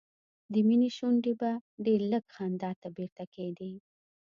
د مينې شونډې به ډېر لږ خندا ته بیرته کېدې